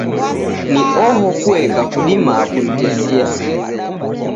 Ni oho kueka kudima kunitesia.